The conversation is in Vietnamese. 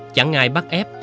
chẳng ai bắt ép